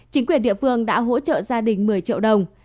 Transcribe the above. chính quyền địa phương đã hỗ trợ gia đình một mươi triệu đồng